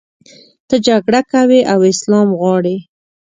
ته جګړه کوې او اسلام غواړې.